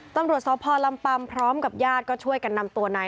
ตำรวจสพลำปัมพร้อมกับญาติก็ช่วยกันนำตัวนาย